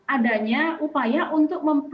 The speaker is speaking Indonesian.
adanya upaya untuk